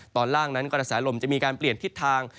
ตอนล่างนั้นกระแสลมจะมีการเปลี่ยนทิศทาง